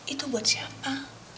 itu buat siapa